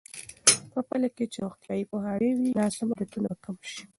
په پایله کې چې روغتیایي پوهاوی وي، ناسم عادتونه به کم شي.